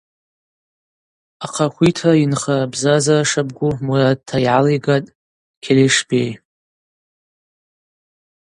Ахъахвитра йынхара бзазара шабгу мурадта йгӏалигатӏ Келешбей.